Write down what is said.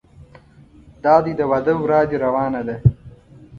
دادی د واده ورا دې روانه ده.